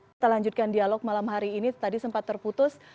kita lanjutkan dialog malam hari ini tadi sempat terputus